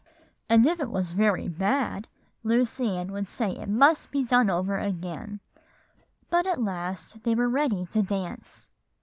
And if it was very bad, Lucy Ann would say it must be done over again. But at last they were ready to dance."